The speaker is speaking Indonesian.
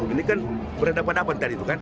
ini kan berada pada apa tadi